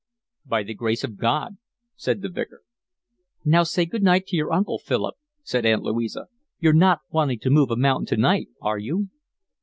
"By the grace of God," said the Vicar. "Now, say good night to your uncle, Philip," said Aunt Louisa. "You're not wanting to move a mountain tonight, are you?"